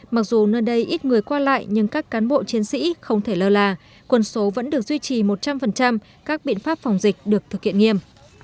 mặc dù nơi đây ít người qua lại nhưng các cán bộ chiến sĩ không thể lơ là quân số vẫn được duy trì một trăm linh các biện pháp phòng dịch được thực hiện nghiêm